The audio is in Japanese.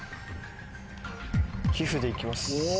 「皮ふ」でいきます